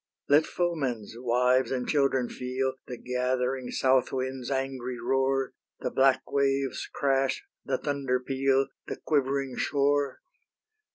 Let foemen's wives and children feel The gathering south wind's angry roar, The black wave's crash, the thunder peal, The quivering shore.